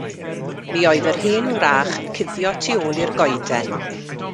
Mi oedd yr hen wrach yn cuddio tu ôl i'r goeden.